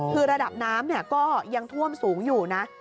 คือระดับน้ำก็ยังท่วมสูงอยู่นะ